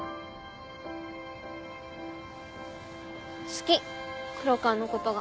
好き黒川のことが。